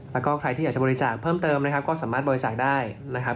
แล้วก็ใครที่อยากจะบริจาคเพิ่มเติมนะครับก็สามารถบริจาคได้นะครับ